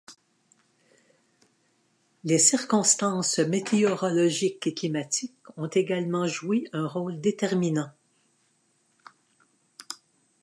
Les circonstances météorologiques et climatiques ont également joué un rôle déterminant.